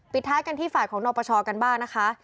ท้ายกันที่ฝ่ายของนปชกันบ้างนะคะ